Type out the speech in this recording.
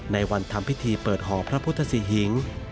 ในวันทำพิธีเปิดห่อพระพุทธศรีหิง